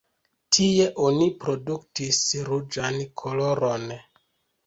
Tie oni produktis ruĝan koloron.